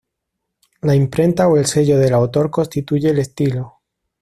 La imprenta o el sello del autor constituye el estilo.